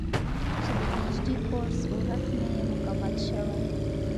چې د پي اېچ ډي کورس ورک مې مکمل شوے